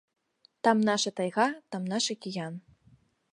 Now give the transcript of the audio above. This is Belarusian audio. Там наша тайга, там наш акіян.